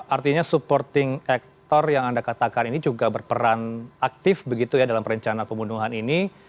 artinya supporting actor yang anda katakan ini juga berperan aktif begitu ya dalam perencanaan pembunuhan ini